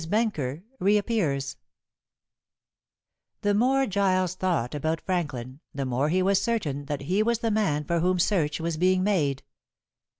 BENKER REAPPEARS The more Giles thought about Franklin, the more he was certain that he was the man for whom search was being made.